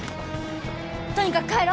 とにかく帰ろ！